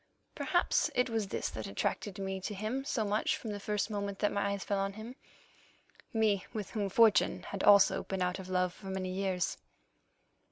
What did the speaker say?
Perhaps it was this that attracted me to him so much from the first moment that my eyes fell on him—me with whom fortune had also been out of love for many years.